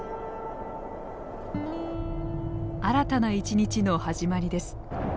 新たな一日の始まりです。